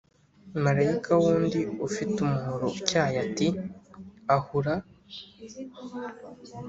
marayika wundi ufite umuhoro utyaye ati Ahura